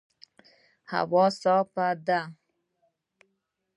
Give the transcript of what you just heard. هوا صافه ده